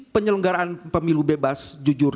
penyelenggaraan pemilu bebas jujur